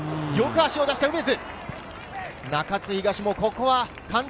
よく足を出した梅津。